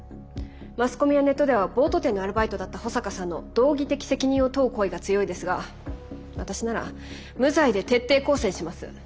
マスコミやネットではボート店のアルバイトだった保坂さんの道義的責任を問う声が強いですが私なら無罪で徹底抗戦します。